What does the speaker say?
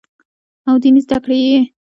او ديني زدکړې ئې